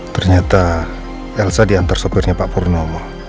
ternyata elsa diantar sopirnya pak purnomo